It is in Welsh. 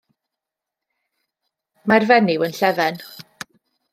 Mae'r fenyw yn llefen.